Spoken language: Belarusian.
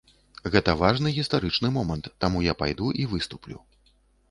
Гэта важны гістарычны момант, таму я пайду і выступлю.